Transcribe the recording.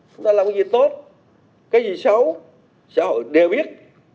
chúng ta làm gì tốt cái gì xấu xã hội đều biết